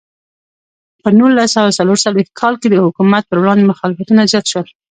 په نولس سوه څلور څلوېښت کال کې د حکومت پر وړاندې مخالفتونه زیات شول.